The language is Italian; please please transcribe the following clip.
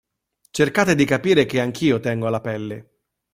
Cercate di capire che anch'io tengo alla pelle.